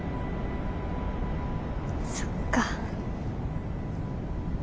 そっか。